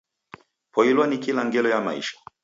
Poilwa ni kila ngelo ya maisha.